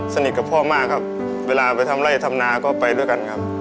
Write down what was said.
สนิทกับพ่อมากครับเวลาทำอะไรก็ไปด้วยกันครับ